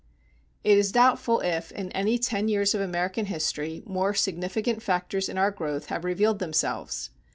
It is doubtful if in any ten years of American history more significant factors in our growth have revealed themselves.